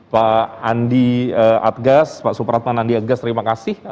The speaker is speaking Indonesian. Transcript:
pak andi adgas pak supratman andi agas terima kasih